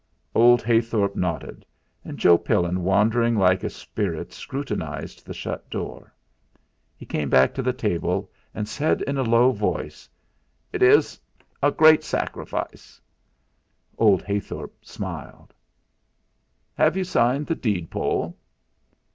Old Heythorp nodded; and Joe Pillin, wandering like a spirit, scrutinised the shut door. He came back to the table, and said in a low voice: "It's a great sacrifice." Old Heythorp smiled. "Have you signed the deed poll?"